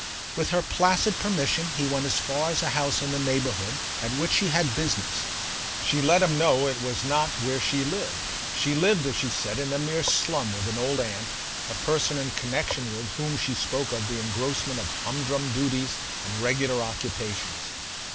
With her placid permission he went as far as a house in the neighbourhood at which she had business: she let him know it was not where she lived. She lived, as she said, in a mere slum, with an old aunt, a person in connexion with whom she spoke of the engrossment of humdrum duties and regular occupations.